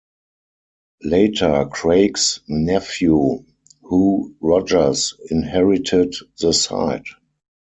Later Craig's nephew Hugh Rogers inherited the site.